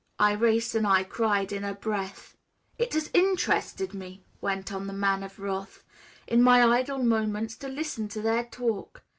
Irais and I cried in a breath. "It has interested me," went on the Man of Wrath, "in my idle moments, to listen to their talk.